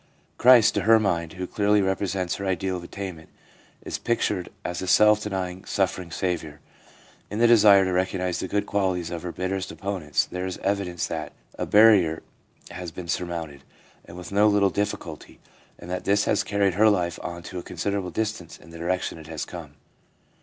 Christ, to her mind, who clearly represents her ideal of attainment, is pictured as a self denying, suffering Saviour. In the desire to recognise the good qualities of her bitterest opponents there is evidence that a barrier has been surmounted, and with no little diffi culty, and that this has carried her life on to a con siderable distance in the direction it has come.